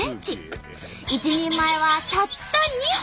一人前はたった２本！